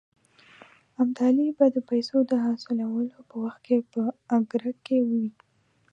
ابدالي به د پیسو د حاصلولو په وخت کې په اګره کې وي.